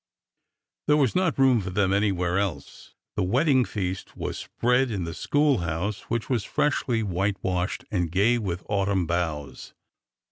There was not room for them anywhere else. The wedding feast was spread in the school house, which was freshly whitewashed and gay with autumn boughs.